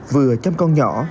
vừa chăm con nhỏ